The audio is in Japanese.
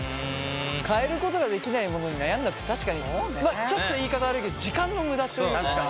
変えることができないものに悩んだって確かにちょっと言い方悪いけど時間の無駄というか。